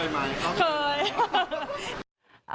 ถ้าถามว่าเกิดไหม